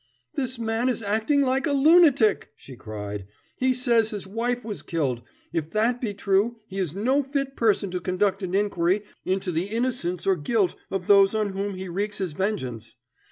"This man is acting like a lunatic," she cried. "He says his wife was killed, and if that be true he is no fit person to conduct an inquiry into the innocence or guilt of those on whom he wreaks his vengeance.